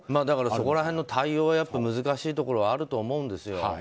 だから、その辺の対応は難しいところはあると思うんです。